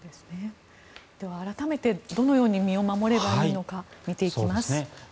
では、改めてどのように身を守ればいいのか見ていきます。